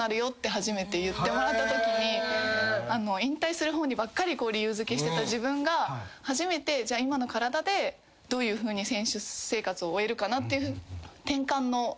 初めて言ってもらったときに引退する方にばっかり理由付けしてた自分が初めて今の体でどういうふうに選手生活を終えるかなって。